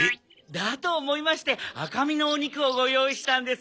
だと思いまして赤身のお肉をご用意したんです。